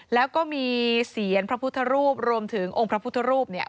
แล้วก็มีเสียงพระพุทธรูปรวมถึงองค์พระพุทธรูปเนี่ย